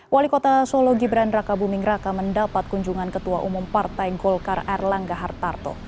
wali kota solo gibran raka buming raka mendapat kunjungan ketua umum partai golkar erlangga hartarto